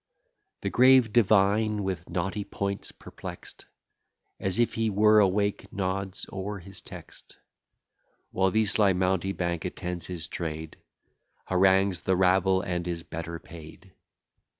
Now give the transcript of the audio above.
The grave divine, with knotty points perplext, As if he were awake, nods o'er his text: While the sly mountebank attends his trade, Harangues the rabble, and is better paid.